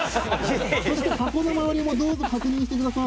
そしたら箱の周りもどうぞ確認してください。